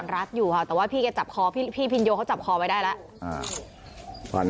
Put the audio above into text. รัดอยู่ค่ะแต่ว่าพี่แกจับคอพี่พินโยเขาจับคอไว้ได้แล้ว